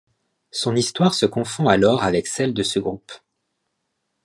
Son histoire se confond alors avec celle de ce groupe.